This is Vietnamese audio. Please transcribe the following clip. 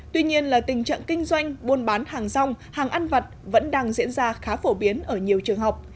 tuy nhiên là tình trạng kinh doanh buôn bán hàng rong hàng ăn vặt vẫn đang diễn ra khá phổ biến ở nhiều trường học